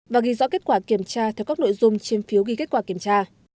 và ghi rõ kết quả kiểm tra theo các nội dung trên phiếu ghi kết quả kiểm tra